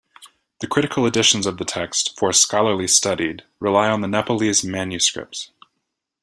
The critical editions of the text, for scholarly studied, rely on the Nepalese manuscripts.